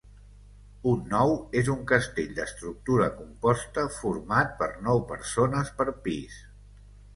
Un nou és un castell d'estructura composta format per nou persones per pis.